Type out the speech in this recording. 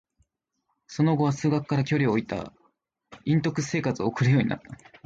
その後は、数学から距離を置いた隠遁生活を送るようになった。